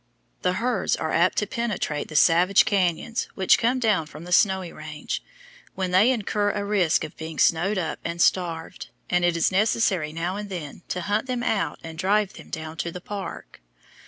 The herds are apt to penetrate the savage canyons which come down from the Snowy Range, when they incur a risk of being snowed up and starved, and it is necessary now and then to hunt them out and drive them down to the "park."